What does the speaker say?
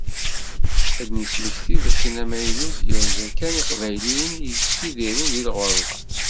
Ad d-nesmekti dakken amaynut yerza kan Iqbayliyen i yettidiren di lɣerba.